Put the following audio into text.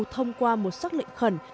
thông qua một xác lệnh khẩn